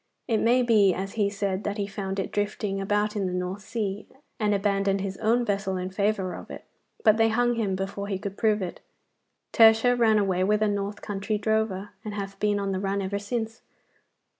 It may be, as he said, that he found it drifting about in the North Sea, and abandoned his own vessel in favour of it, but they hung him before he could prove it. Tertia ran away with a north country drover, and hath been on the run ever since.